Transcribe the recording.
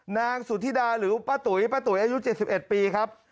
นางสุธิดาหรือป้าตุ๋ยป้าตุ๋ยอายุ๗๑ปีครับ